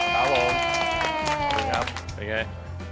ขอบคุณครับเป็นอย่างไร